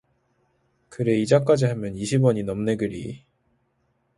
그래 이자까지 하면 이십 원이 넘네그리.